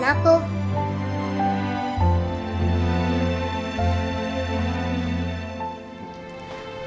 siva kamu sudah terlambat